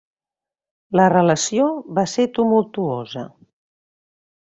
La relació va ser tumultuosa.